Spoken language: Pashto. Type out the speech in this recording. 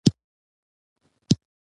احمد پر خپل ناړ ټينګ ودرېد.